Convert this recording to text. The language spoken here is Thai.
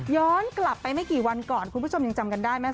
ย้อนกลับไปไม่กี่วันก่อนคุณผู้ชมยังจำกันได้ไหม